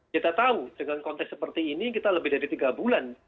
kita tahu dengan konteks seperti ini kita lebih dari tiga bulan